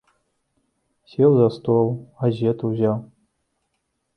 Сеў за стол, газету ўзяў.